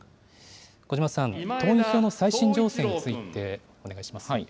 小嶋さん、党員票の最新情勢についてお願いします。